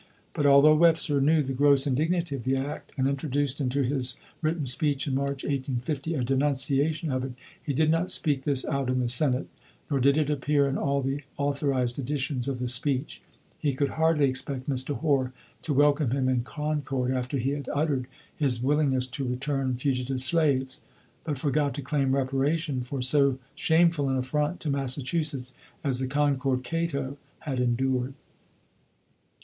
But, although Webster knew the gross indignity of the act, and introduced into his written speech in March, 1850, a denunciation of it, he did not speak this out in the Senate, nor did it appear in all the authorized editions of the speech. He could hardly expect Mr. Hoar to welcome him in Concord after he had uttered his willingness to return fugitive slaves, but forgot to claim reparation for so shameful an affront to Massachusetts as the Concord Cato had endured.